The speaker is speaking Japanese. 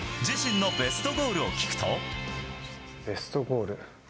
ベストゴール。